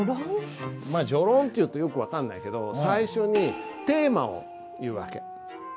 まあ序論っていうとよく分かんないけど最初にテーマを言う訳。